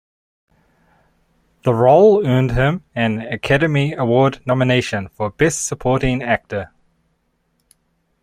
The role earned him an Academy Award nomination for Best Supporting Actor.